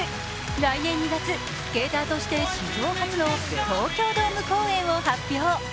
来年２月、スケーターとして史上初の東京ドーム公演を発表。